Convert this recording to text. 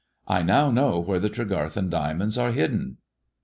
I know now where the Tregarthen diamonds are hidden."